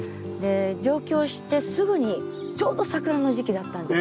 上京してすぐにちょうど桜の時期だったんです。